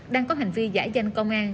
đang có hành vi giả danh công an